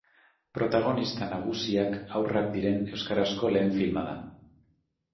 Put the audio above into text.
Protagonista nagusiak haurrak diren euskarazko lehen filma da.